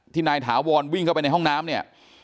นายถาวรวิ่งเข้าไปในห้องน้ำเนี่ย